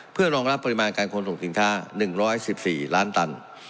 เพื่อรองรับปริมาณการขนส่งสินค้า๑๑๔ล้านตัน